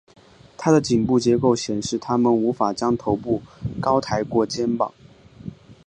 它们颈部结构显示它们无法将头部高抬过肩膀。